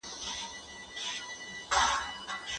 ټولنه که روحي غذا ونه ورکوي، بحران رامنځته کیږي.